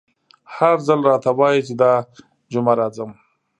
هر ځل راته وايي چې دا جمعه راځم….